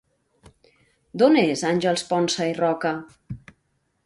D'on és Àngels Ponsa i Roca?